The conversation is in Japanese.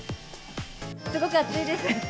すごく暑いです。